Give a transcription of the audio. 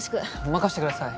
任せてください。